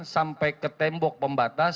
sampai ke tembok pembatas